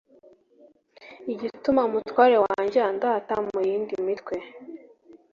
igituma umutware wanjye andata mu yindi mitwe